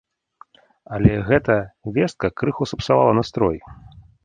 Але гэта вестка крыху сапсавала настрой.